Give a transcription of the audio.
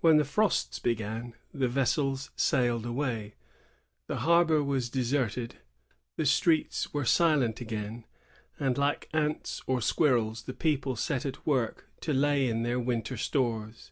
When the frosts began, the vessels sailed away, the harbor was deserted, the streets were silent again, and like ants or squirrels the people set at work to lay in their winter stores.